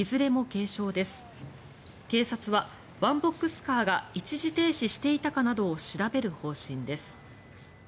警察はワンボックスカーが一時停止していたかなどを調べる方針です。